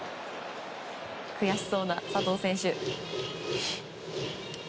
悔しそうな佐藤選手。